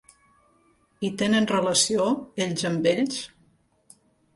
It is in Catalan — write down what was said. I tenen relació, ells amb ells?